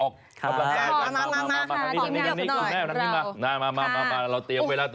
ออกกำลังกายก่อนออกกำลังกายก่อนออกกำลังกายก่อนออกกำลังกายก่อน